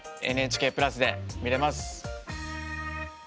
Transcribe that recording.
「ＮＨＫプラス」で見れます。